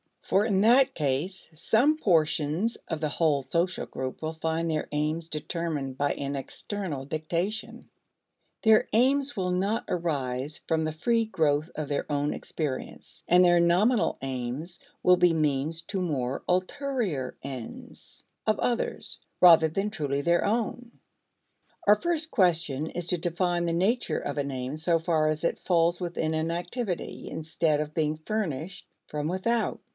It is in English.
For in that case, some portions of the whole social group will find their aims determined by an external dictation; their aims will not arise from the free growth of their own experience, and their nominal aims will be means to more ulterior ends of others rather than truly their own. Our first question is to define the nature of an aim so far as it falls within an activity, instead of being furnished from without.